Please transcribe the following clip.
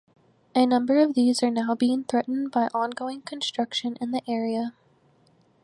A number of these are now being threatened by ongoing construction in the area.